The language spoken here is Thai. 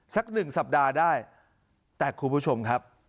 สักหนึ่งสัปดาห์ได้แต่คุณผู้ชมครับ